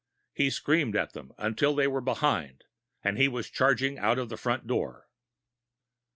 He screamed at them, until they were behind, and he was charging out of the front door.